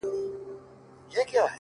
اې د قوتي زلفو مېرمني در نه ځمه سهار ـ